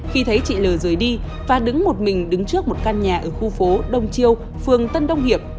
khi thấy chị l rời đi và đứng một mình đứng trước một căn nhà ở khu phố đông triều phường tân đông hiệp